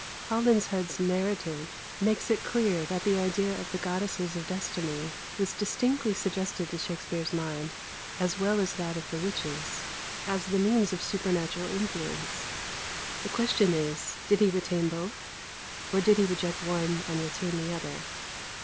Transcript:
Holinshed's narrative makes it clear that the idea of the "goddesses of Destinie" was distinctly suggested to Shakspere's mind, as well as that of the witches, as the mediums of supernatural influence. The question is, did he retain both, or did he reject one and retain the other?